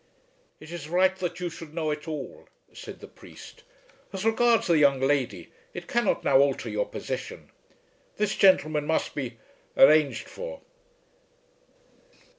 "It is right that you should know it all," said the priest. "As regards the young lady it cannot now alter your position. This gentleman must be arranged for."